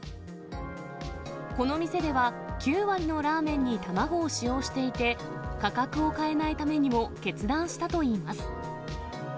この店では、９割のラーメンに卵を使用していて、価格を変えないためにも決断したといいます。